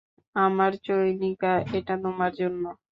আর চৈনিকা, এটা তোমার জন্য।